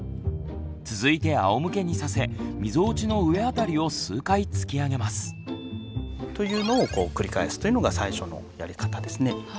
続いてあおむけにさせみぞおちの上辺りを数回突き上げます。というのを繰り返すというのが最初のやり方ですね。